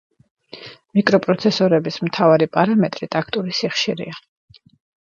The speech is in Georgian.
მიკროპროცესორების მთავარი პარამეტრი ტაქტური სიხშირეა.